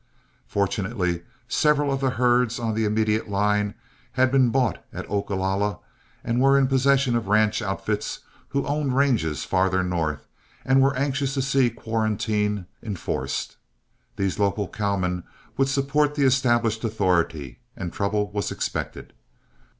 Fortunately several of the herds on the immediate line had been bought at Ogalalla and were in possession of ranch outfits who owned ranges farther north, and were anxious to see quarantine enforced. These local cowmen would support the established authority, and trouble was expected.